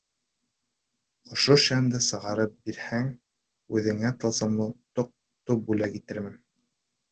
Ошо шәмде сығарып бирһәң, үҙеңә тылсымлы тоҡто бүләк итермен.